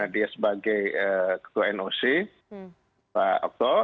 dia sebagai ketua noc pak okto